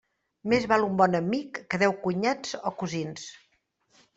Més val un bon amic que deu cunyats o cosins.